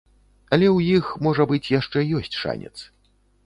Але ў іх, можа быць, яшчэ ёсць шанец.